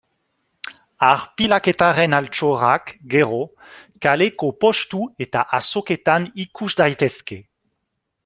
Arpilaketaren altxorrak, gero, kaleko postu eta azoketan ikus daitezke.